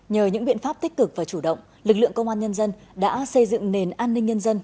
nhờ những biện pháp tích cực và chủ động lực lượng công an nhân dân đã xây dựng nền an ninh nhân dân